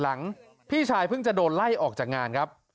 พี่ชายเพิ่งจะโดนไล่ออกจากงานครับ